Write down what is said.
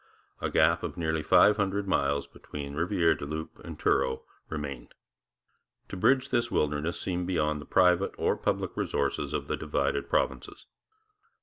A gap of nearly five hundred miles between Rivière du Loup and Truro remained. To bridge this wilderness seemed beyond the private or public resources of the divided provinces.